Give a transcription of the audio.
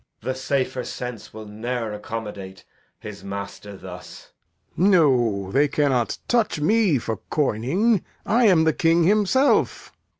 The safer sense will ne'er accommodate His master thus. Lear. No, they cannot touch me for coming; I am the King himself.